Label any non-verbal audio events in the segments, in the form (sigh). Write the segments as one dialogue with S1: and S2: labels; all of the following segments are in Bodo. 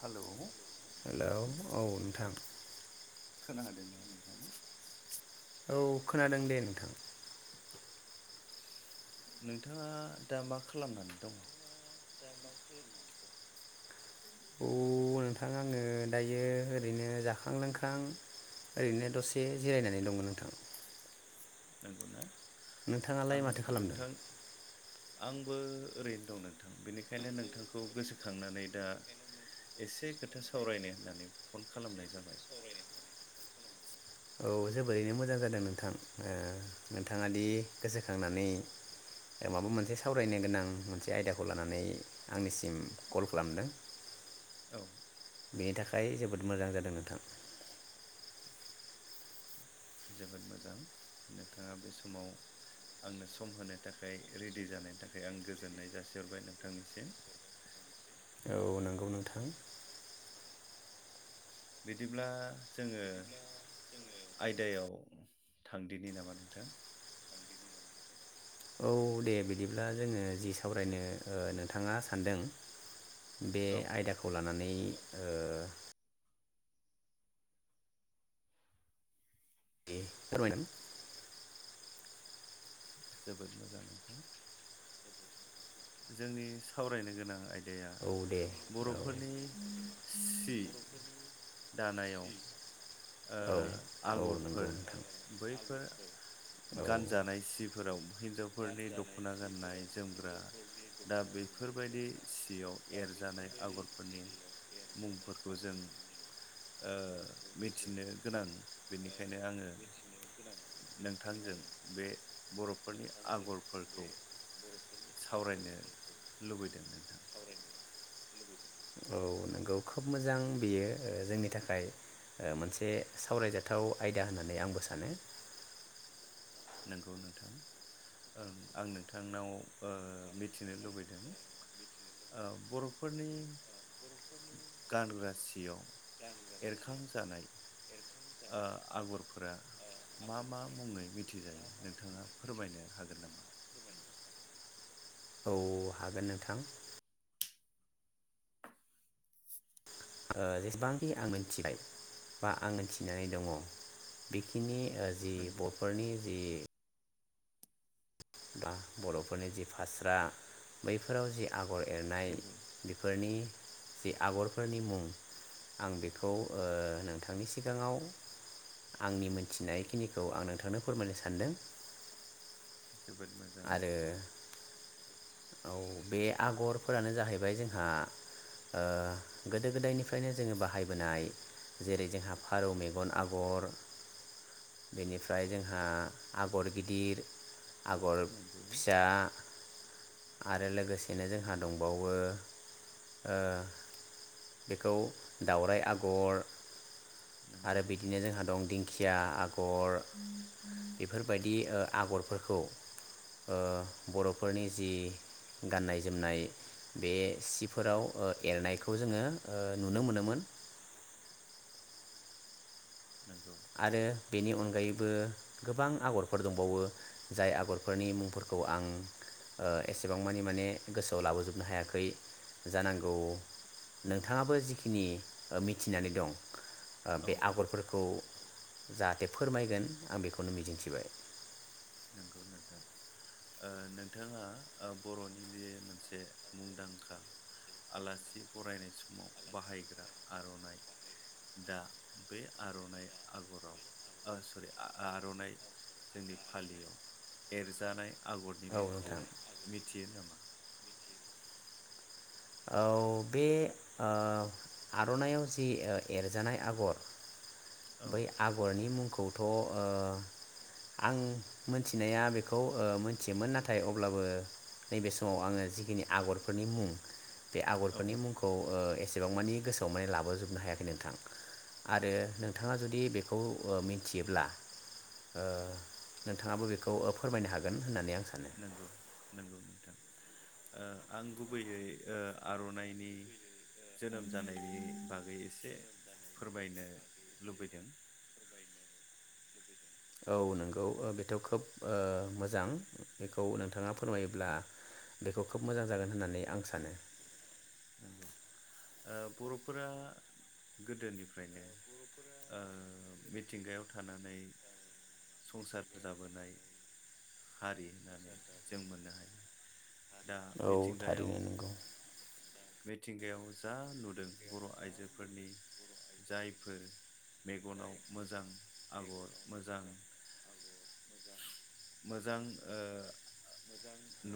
S1: हेलौ
S2: हेलौ औ नोंथां?
S1: (unintelligible)
S2: औ खोनादों दे नोंथां।
S1: नोंथाङा दा मा खालामनानै दङ?
S2: औ नोंथां आङो। दायो ओरैनो जाखां लोंखां ओरैनो दसे जिरायनानै दंमोन नोंथां।
S1: नंगौना?
S2: नोंथाङालाय
S1: आं
S2: माथो खालामदों?
S1: नोंथां आंबो ओरैनो दं नोंथां बेनिखायनो नोंथांखौ गोसोखांनानै दा एसे खोथा सावरायनो होननानै फन खालामनाय जाबाय।
S2: औ जोबोरैनो मोजां जादों नोंथां ओ नोंथाङा दि गोसोखांनानै माबा मोनसे सावरायनो गोनां मोनसे आयदाखौ लानानै आंनिसिम कल खालामदों
S1: औ
S2: बेनि थाखाय जोबोद मोजां जादों नोंथां।
S1: जोबोद मोजां नोंथाङा बे समाव आंनो सम होनो थाखाय रेडि जानायनि थाखाय आं गोजोननाय जासिहरबाय नोंथांनिसिम।
S2: उ नोंथां
S1: बिदिब्ला जोङो आयदायाव थांदिनि नामा नोंथां
S2: औ दे बिदिब्ला जोङो जि सावरायनो ओ नोंथाङा सानदों बे
S1: औ
S2: आयदाखौ लानानै नै ओ (unintelligible)
S1: जोबोद मोजां नोंथां जोंनि सावरायनो गोनां आयदा
S2: औ दे औ
S1: सि दानायाव ओ
S2: औ औ
S1: आगरफोर
S2: नंगौ नोंथां
S1: बैफोर
S2: औ
S1: गानजानाय सिफोराव फोरनि दख'ना गाननाय जोमग्रा दा बेफोरबायदि सियाव एरजानाय आगरफोरनि मुंफोरखौ जों मिथिनो गोनां बेनिखायनो आङो नोंथांजों बे बर'फोरनि आगरफोरखौ सावरायनो लुबैदों नोंथां
S2: औ नंगौ खोब मोजां बेयो ओ जोंनि थाखाय ओ मोनसे सावरायजाथाव आयदा होननानै आंबो सानो
S1: नंगौ नोंथां आं नोंथांनाव ओ मिथिनो लुबैदों बर'फोरनि गानग्रा सियाव एरखांजानाय आगरफोरा मा मा मुङै मि मिथिजायो नोंथाङा फोरमायनो हागोन नामा
S2: औ हागोन नोंथां ओ जेसेबांखि आं मोनथिबाय बा आं मिथिनानै दङ बेखिनि जि
S1: नंगौ
S2: बर'फोरनि जि बा बर'फोरनि जि फास्रा बैफोराव जि आगर एरनाय
S1: नंगौ
S2: बेफोरनि जि आगरफोरनि मुं आं बेखौ ओ नोंथांनि सिगाङाव आंनि मोनथिनाय खिनिखौ आं नोंथांनो फोरमायनो सानदों
S1: जोबोद मोजां
S2: आरो औ बे आगरफोरानो जाहैबाय जोंहा ओ गोदो गोदायनिफ्रायनो जोङो बाहायबोनाय जेरै जोंहा फारौ मेगन आगर बेनिफ्राय जोंहा आगर गिदिर आगर
S1: नंगौ
S2: फिसा आरो लोगोसेनो जोंहा दंबावो ओ बेखौ दावराइ आगर
S1: नंगौ
S2: आरो बिदिनो जोंहा दं दिं दिंखिया आगर बेफोरबायदि आगरफोरखौ ओ बर'फोरनि जि गाननाय जोमनाय बे सिफोराव एरनायखौ जोङो नुनो मोनोमोन
S1: नंगौ
S2: आरो बेनि अनगायैबो बो गोबां आगरफोर दंबावो जाय आगरफोरनि मुंफोरखौ आं ओ एसेबांमानि माने गोसोआव लाबोजोबनो हायाखै जानांगौ नोंथाङाबो जिखिनि मिथिनानै दं
S1: औ
S2: बे आगरफोरखौ जाहाथे फोरमायगोन आं बेखौनो मिजिंथिबाय
S1: ओ नंगौ नोंथां नोंथाङा बर'नि ज मोनसे मुंदांखा आलासि फरायनाय समाव बाहायग्रा आर'नाइ दा बे आर'नाइ आगराव सरि आर'नाइ जोंनि फालियाव एरजानाय आगरनि
S2: औ
S1: मुंखौ
S2: नोंथां
S1: मिथियो नामा
S2: औ बे ओ आर'नाइआव जि एरजानाय आगर
S1: औ
S2: बै आगरनि मुं आंखौथ' ओ आं मिथिनाया बेखौ मोनथियोमोन नाथाय अब्लाबो नैबे समाव आङो जिखिनि आगरफोरनि मुं बे
S1: औ
S2: आगरफोरनि मुंखौ ओ एसेबां मानि गोसोआव माने लाबोजोबनो हायाखै नोंथां आरो नोंथाङा जुदि बेखौ मिथियोब्ला नोंथाङाबो बेखौ फोरमायनो हागोन होननानै आं सानो
S1: नंगौ नंगौ नोंथां ओ आं गुबैयै ओ आर'नाइनि जोनोम जानायनि बागै एसे फोरमायनो लुबैदों
S2: औ नोंगौ बेथ' खोब ओ मोजां बेखौ नोंथाङा फोरमायोब्ला बेखौ खोब मोजां जागोन होननानै आं सानो।
S1: नंगौ ओ बर'फोरा गोदोनिफ्रायनो मिथिंगायाव थानानै संसार जाबोनाय हारि होननानै जों मोननो हायो। दा
S2: औ
S1: मिथिंगायाव
S2: थारैनो नंगौ।
S1: मिथिंगायाव जा नुदों बर' आइजोफोरनि जायफोर मेगनाव मोजां आगर मोजां मोजां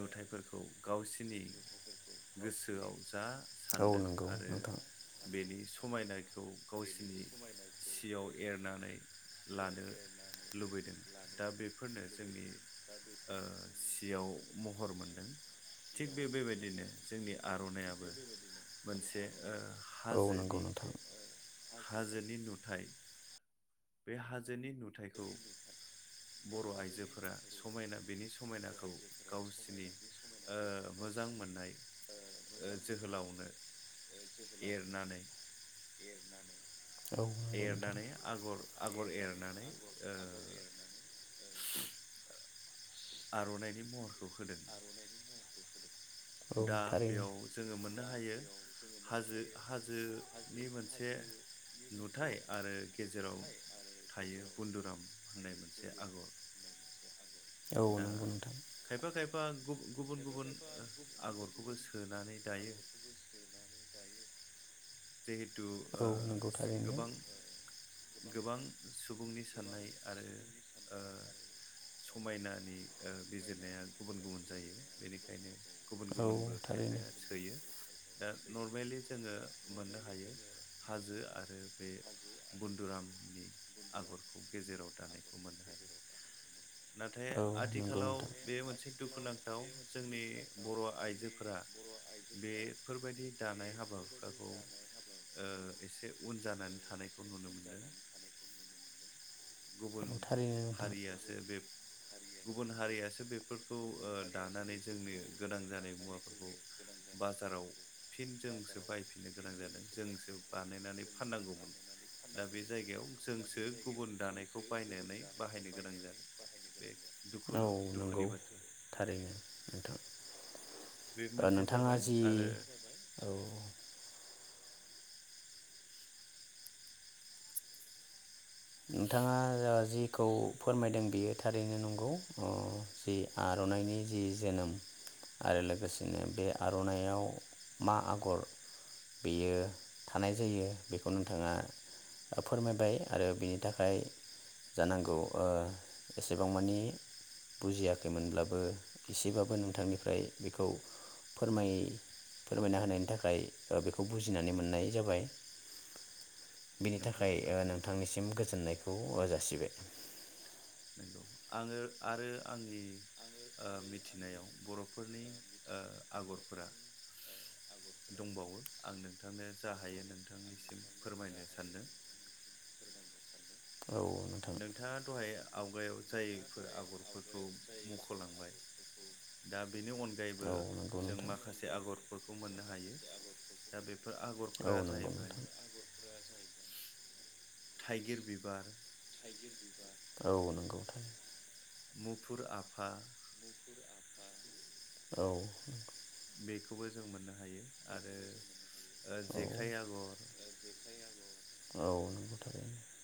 S1: नुथायफोरखौ गावसिनि गोसोआव जा
S2: औ
S1: सानदों
S2: नंगौ
S1: आरो
S2: नोंथां
S1: बेनि समायनाखौ गावसिनि सियाव एरनानै लानो लुबैदों दा बेफोरनो जोंनि सियाव महर मोनदों थिग बे बेबायदिनो जोंनि आर'नाइआबो। मोनसे ओ
S2: औ नंगौ
S1: हाजोनि
S2: नोंथां
S1: हाजोनि नुथायाइ बे हाजोनि नुथायखौ बर' आइजोफोरा समायना बेनि समायनाखौ गावसिनि मोजां मोननाय जोहोलावनो एरनानै
S2: औ
S1: एरनानै आगर आगर एरनानै ओ आर'नाइनि महरखौ होदों
S2: औ
S1: दा
S2: थारैनो
S1: बेयाव जोङो मोन नो हायो हाजो हाजोनि मोनसे नुथाइ आरो गेजेराव थायो बुन्दुराम होननाय मोनसे आगर
S2: औ नंगौ नोंथां
S1: बा गुब गुबुन गुबुन आगरखौबो सोनानै दायो जे जिहेथु
S2: औ
S1: ओ
S2: नंगौ थारैनो
S1: गोबां गोबां सुबुंनि साननाय आरो ओ समायनानि ओ बिजिरनाया गुबुन गुबुन जायो बेनिखायनो। गुबुन
S2: औ
S1: गुबुनबो
S2: थारैनो
S1: खायफाया सोयो दा नर्मेलि जोङो मोननो हायो हाजो आरो बे बुनन्दुरामनि आगरखौ गेजेराव दानायखौ मोननो हायो नाथाय
S2: औ नंगौ
S1: आथिखालाव
S2: नोंथां
S1: बे मोनसे दुखुनांथाव जोंनि बर' आइजोफोरा बेफोरबायदि दानाय हाबा खौ ओ एसे उन जानानै थानायखौ नुनो मोनदों। गुबुन
S2: औ थारैनो नोंथां
S1: हारियासो बे गुबुन हारियासो बेफोरखौ ओ दानानै जोंनि गोनां जानाय मुवाफोरखौ बाजाराव फिन जोंसो बायफिन नो गोनां जादों जोंसो बानायनानै फाननांगौमोन दा बे जायगायाव जोंसो गुबुन दानायखौ बायनानै बाहायनो गोनां जादों बे दुखु
S2: औ नंगौ
S1: दुखुनि बाथ्रा
S2: थारैनो नोंथां
S1: बे मोनसे
S2: नोंथाङा
S1: जाबाय
S2: जि
S1: आरो
S2: औ नोंथाङा जिखौ फोरमायदों बियो थारैनो नंगौ ओ जि आर'नाइनि जि जोनोम आरो लोगोसेनो बे आर'नाइाव मा आगर बेयो थानाय जायो बेखौ नोंथाङा फोरमायबाय आरो बिनि थाखाय जानांगौ ओ एसेबां मानि बुजियाखैमोनब्लाबो एसेबाबो नोंथांनिफ्राय बेखौ फोर फोरमायना होनायनि थाखाय बेखौ बुजिनानै मोननाय जाबाय बिनि ओ
S1: नोंगौ
S2: थाखाय
S1: नोंथां
S2: नोंथांनिसिम गोजोननायखौ सिबाय
S1: आङो आरो आंनि ओ मिथिनायाव बर'फोरनि आगरफोरा दंबावो आं नोंथांनो जा हायो नोंथांनिसिम फोरमायनो सानदों।
S2: औ नोंथां
S1: नोंथाङा दहाय आवगायाव जायफोर आगरफोरखौ मुख'लांबाय दा बेनि अनगायैबो
S2: औ नंगौ
S1: जों
S2: नोंथां
S1: माखासे आगरफोरखौ मोननो हायो दा बेफोर
S2: औ
S1: आगरफोरा
S2: नंगौ
S1: जाहैबाय
S2: नोंथां
S1: थाइगिर बिबार
S2: औ नंगौ थारैनो
S1: मुफुर आफा
S2: औ नंगौ
S1: बेखौबो जों मोननो हायो आरो ओ जेखाइ
S2: औ
S1: आगर
S2: औ नंगौ थारैनो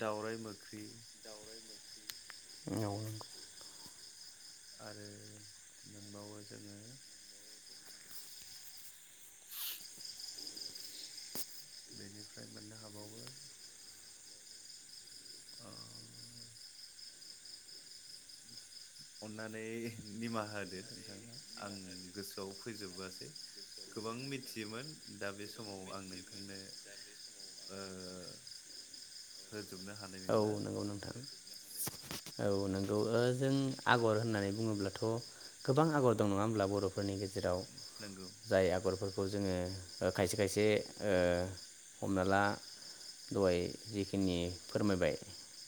S1: दावराइ मोख्रेब
S2: औ नंगौ औ
S1: आरो मोनबावो जोङो (inaudible) बेनिफ्राय मोननो हाबावो आरो अननानै निमाहा होदो नोंथाङा आं गोसोआव फैजोबासै गोबां मिथियोमोन दा बे समाव आं नोंथांनो ओ होजोबनो हानाय
S2: औ
S1: नंला
S2: नंगौ नोंथां औ नोंगौ (unintelligible) जों आगर होननानै बुङोब्लाथ' गोबां आगर दं नङा होमब्ला बर'फोरनि गेजेराव
S1: नंगौ
S2: जेराव जाय आगर बे खौ जोङो खायसे खायसे ओ हमना ला दहाय जिखिनि फोरमायबाय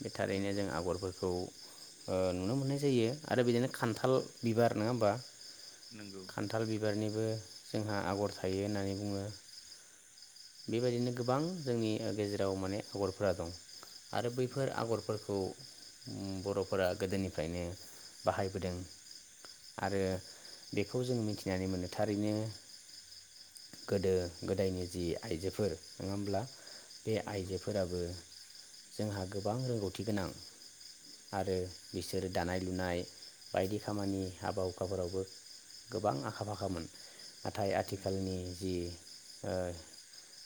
S2: बे थारैनो
S1: नंगौ
S2: जों आगरफोरखौ ओ नुनो मोननाय जायो आरो बिदिनो खान्थाल बिबार नङा होमबा
S1: नंगौ
S2: खान्थाल बिबारनि बो जोंहा आगर थायो होननानै बुङो बेबायदिनो गोबां जोंनि गेजेराव माने आगरफोरा दं आरो बैफोर
S1: नंगौ
S2: आगरफोरखौ बर'फोरा गोदोनिफ्रायनो बाहायबोदों आरो बेखौ जों मिथिनानै मोनो थारैनो गोदो गोदायनि जि आइजोफोर नङा होमब्ला बे
S1: नंगौ
S2: आइजोफोराबो जोंहा गोबां रोंगौथि गोनां आरो बिसोरो दानाय लुनाय बायदि खामानि हाबा हुखाफोरावबो गोबां आखा फाखामोन नाथाय
S1: नंगौ
S2: आथिखालनि जि ओ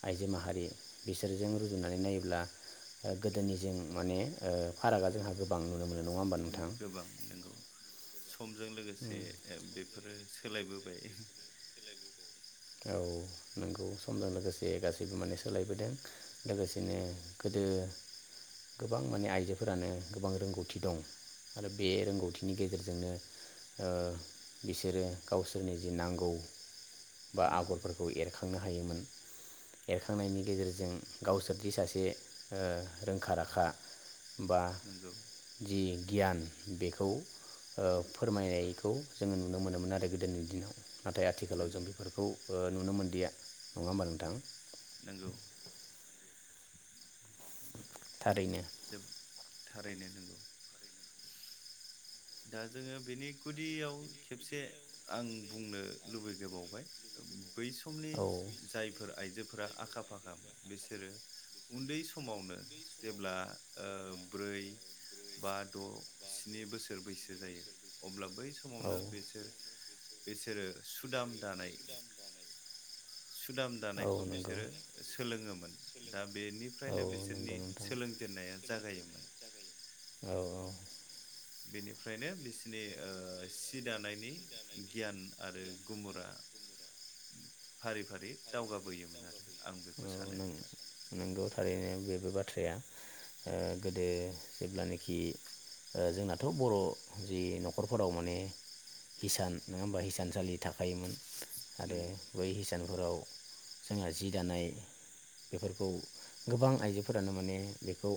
S2: आइजो माहारि बिसोरजों रुजुनानै नायोब्ला गोदोनि जों माने ओ फारागा जोंहा गोबां नुनो मोनो नङा होमबा नोंथां
S1: गोबां नंगौ सम जों लोगोसे
S2: उम
S1: बेफोरो सोलायबो (unintelligible)
S2: औ नंगौ समजों लोगोसे गासैबो माने सोलायबोदों लोगोसेनो गोदो गोबां माने आइजोफोरानो गोबां रोंगौथि दं आरो बे रोंगौथिनि गेजेरजोंनो बिसोरो गावसोरनि जि नांगौ बा
S1: नंगौ
S2: आगरफोरखौ एरखां एखांनो हायोमोन एरखांनायनि गेजेरजों गावसोरदि सासे ओ रोंखा राखा बा
S1: नंगौ
S2: जि गियान बेखौ ओ फोरमायनायखौ जोङो नुनो मोनोमोन आरो गोदोनि दिनाव नाथाय आथिखालाव जों
S1: नंगौ
S2: नुनो मोनदिया नङा होमबा नोंथां
S1: नंगौ
S2: (inaudible)
S1: जोब थारैनो नोंगौ दा जोङो बेनि गुदियाव खेबसे आं बुंनो लुबैगोबावबाय बै समनि
S2: औ
S1: जायफोर आइजोफोर फोर आखा फाखामोन बिसोरो उन्दै समावनो जेब्ला ओ ब्रै बा द' स्नि बोसोर बैसो जायो अब्ला बै
S2: औ
S1: समावनो बिसोर बिसोरो सुदाम दानाय
S2: दानाय
S1: सुदाम दानायखौ बिसोरो सोलोङोमोन दा
S2: औ
S1: बेनिफ्रायनो
S2: नंगौ
S1: बिसोरनि
S2: नोंथां
S1: सोलों जेननाया जागायोमोन
S2: औ
S1: बेनिफ्रायनो बिसिनि ओ सि दानायनि गियान आरो गुमुरा फारि फारि दावगाबोयोमोन आरो आं बेखौ
S2: औ
S1: सानो
S2: नं
S1: नोंथां
S2: नंगौ थारैनो बेबो बाथ्राया ओ गोदो जेब्लानाखि जोंनाथ' बर' जि न'खरफोराव माने हिसान नङा होमबा हिसानसालि थाखोमोन आरो
S1: नंगौ
S2: बै हिसानफोराव (inaudible) जोंहा जि दानाय बेफोरखौ गोबां आइजोफोरानो माने बेखौ